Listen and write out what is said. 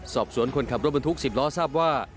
สอบสวนคนขับรถบรทุกสิบล้อทราบว่า